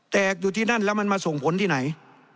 อยู่ที่นั่นแล้วมันมาส่งผลที่ไหน